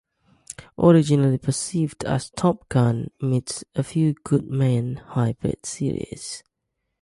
Originally perceived as a "Top Gun" meets "A Few Good Men" hybrid series.